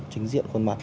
chính diện khuôn mặt